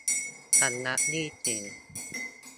ชำระหนี้สิน